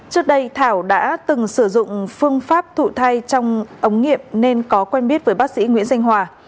trước đây thảo đã từng sử dụng phương pháp thụ thay trong ống nghiệm nên có quen biết với bác sĩ nguyễn danh hòa